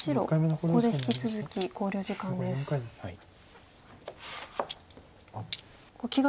ここで引き続き考慮時間です。